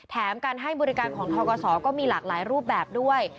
แถมการให้บริการของทกศก็มีหลากหลายรูปแบบด้วย